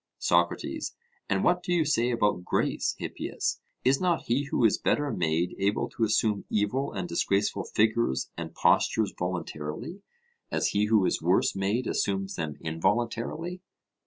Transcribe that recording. SOCRATES: And what do you say about grace, Hippias? Is not he who is better made able to assume evil and disgraceful figures and postures voluntarily, as he who is worse made assumes them involuntarily?